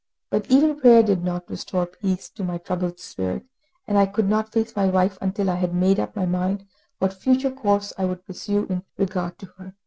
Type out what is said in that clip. But even prayer did not restore peace to my troubled spirit, and I could not face my wife until I had made up my mind what future course I should pursue in regard to her.